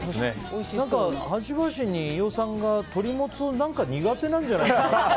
何か、端々に飯尾さんが鶏もつが何か苦手なんじゃないかって。